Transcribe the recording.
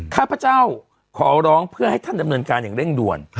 ข้าพเจ้าขอร้องเพื่อให้ท่านดำเนินการอย่างเร่งด่วน